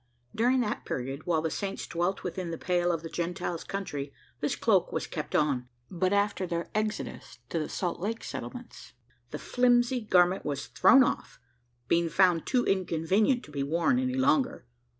During that period, while the Saints dwelt within the pale of the Gentiles' country this cloak was kept on; but after their "exodus" to the Salt Lake settlements, the flimsy garment was thrown off being found too inconvenient to be worn any longer.